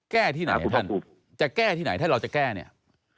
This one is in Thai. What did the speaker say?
แก้ที่ไหนคุณจะแก้ที่ไหนถ้าเราจะแก้เนี่ย